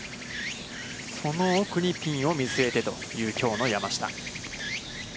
その奥にピンを見据えてというきょうの山下。